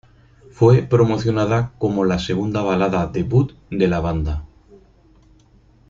Fue promocionada como la segunda balada debut de la banda.